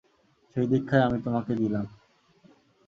সেই দীক্ষাই আমি তোমাকে দিলাম।